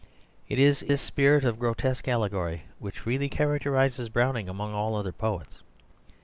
It is this spirit of grotesque allegory which really characterises Browning among all other poets.